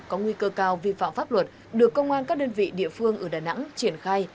có nguy cơ cao vi phạm pháp luật được công an các đơn vị địa phương ở đà nẵng triển khai